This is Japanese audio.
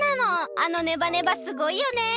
あのネバネバすごいよね！